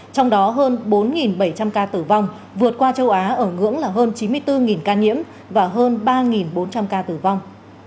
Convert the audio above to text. trong đó hơn bốn bảy trăm linh ca tử vong vượt qua châu á ở ngưỡng là hơn chín mươi bốn ca nhiễm và hơn ba bốn trăm linh ca tử vong